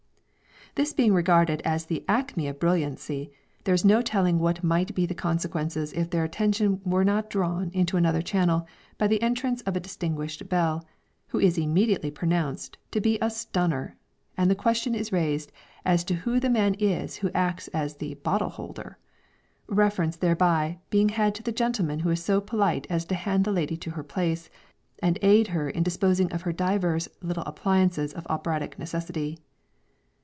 This being regarded as the acme of brilliancy, there is no telling what might be the consequences if their attention were not drawn into another channel by the entrance of a distinguished belle, who is immediately pronounced to be a "stunner" and the question is raised as to who the man is who acts as "bottle holder," reference thereby being had to the gentleman who is so polite as to hand the lady to her place, and aid her in disposing of her divers little appliances of operatic necessity.